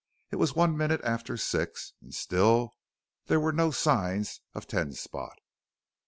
It was one minute after six and still there were no signs of Ten Spot.